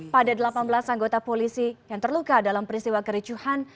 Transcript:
pada delapan belas anggota polisi yang terluka dalam peristiwa kericuhan